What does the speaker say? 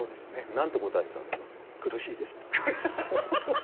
何て答えてたんですか？